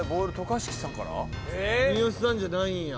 三好さんじゃないんや。